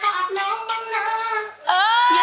ช่วยสังขามา